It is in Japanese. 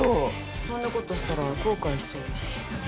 そんなことしたら後悔しそうだし。